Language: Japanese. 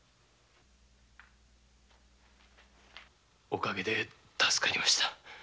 お陰で助かりました。